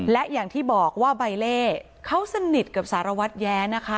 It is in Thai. และอย่างที่บอกว่าใบเล่เขาสนิทกับสารวัตรแย้นะคะ